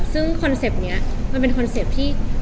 ซึ่งคอนเซ็ปต์นี้มันเป็นคอนเซ็ปต์ที่